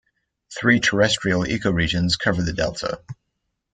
Three terrestrial ecoregions cover the delta.